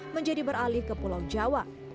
menjadi beralih ke pulau jawa